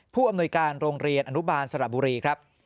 ผู้อำนวยการโรงเรียนอนุบาลสระบุรีครับ